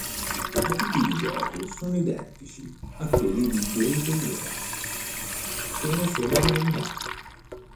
I tipi di gioco sono identici a quelli di Dave Mirra, sono solo rinominati.